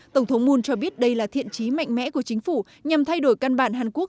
tổng thống moon cho biết đây là thiện trí mạnh mẽ của chính phủ nhằm thay đổi căn bản hàn quốc